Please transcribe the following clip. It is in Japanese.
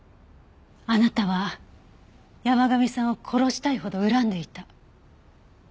あなたは山神さんを殺したいほど恨んでいた。